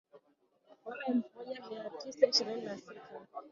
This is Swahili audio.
mwaka elfu moja mia tisa ishirini na sita